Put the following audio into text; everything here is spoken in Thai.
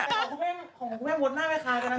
ของคุณแม่งของคุณแม่งวดน่าไม่คล้ายกันนะค่ะ